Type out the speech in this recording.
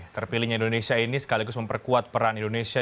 terpilihnya indonesia ini sekaligus memperkuat peran indonesia